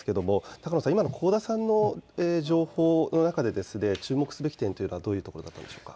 高野さん、今の香田さんの情報の中で注目すべき点というのはどういうところだったんでしょうか。